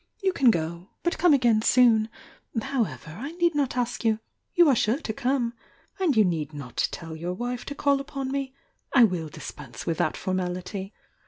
You can go — but come again ■I* ! 1 864 THE YOUNG DIANA soon! However I need not ask you— you are sure to come! And you need not tell your wife to call upon me — I will dispense wiUi that formality!